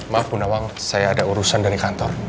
maaf bunda wang saya ada urusan dari kantor